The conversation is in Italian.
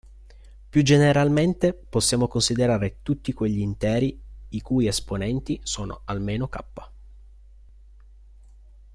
Più generalmente, possiamo considerare tutti quegli interi i cui esponenti sono almeno "k".